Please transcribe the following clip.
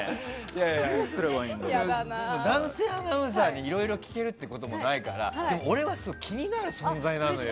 男性アナウンサーにいろいろ聞けるっていうこともないからでも、俺は気になる存在なのよ。